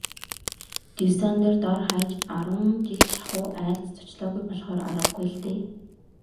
Дюссандер дор хаяж арван жил шахуу айлд зочлоогүй болохоор аргагүй л дээ.